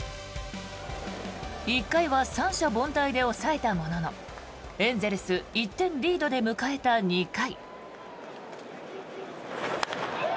１回は三者凡退で抑えたもののエンゼルス１点リードで迎えた２回。